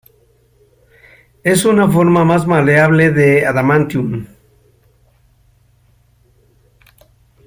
Es una forma más maleable de adamantium.